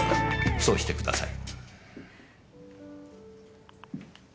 そうしてください。